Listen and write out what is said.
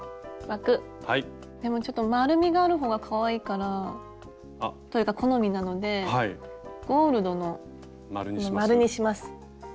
枠でもちょっと丸みがある方がかわいいから。というか好みなのでゴールドの丸にします。